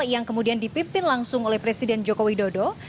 yang kemudian dipimpin langsung oleh presiden joko widodo